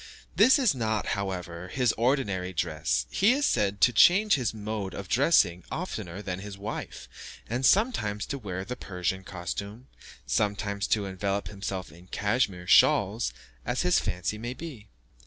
This is not, however, his ordinary dress; he is said to change his mode of dressing oftener than his wife, and sometimes to wear the Persian costume, sometimes to envelop himself in cashmere shawls, as his fancy may be.